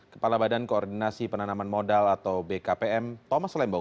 kepala badan koordinasi penanaman modal atau bkpm thomas lembong